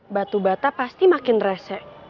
batu bata pasti makin resek